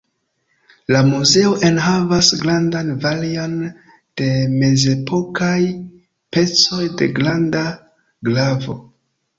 La muzeo enhavas grandan varion de mezepokaj pecoj de granda gravo.